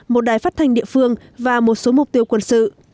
một đài phát thanh địa phương và một số mục tiêu quân sự